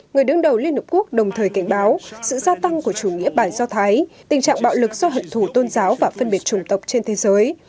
người đứng đầu liên hợp quốc đồng thời cảnh báo sự gia tăng của chủ nghĩa bản do thái tình trạng bạo lực do hận thù tôn giáo và phân biệt chủng tộc trên thế giới